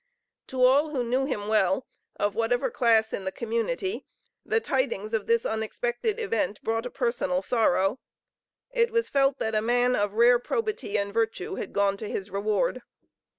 To all who knew him well, of whatever class in the community, the tidings of this unexpected event brought a personal sorrow. It was felt that a man of rare probity and virtue had gone to his reward.